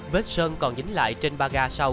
vết sơn còn dính lại trên ba ga sau